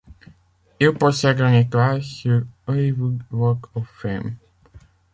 Il possède un étoile sur Hollywood Walk of Fame.